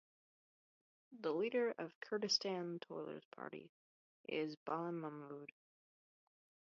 The leader of Kurdistan Toilers Party is Balen Mahmoud.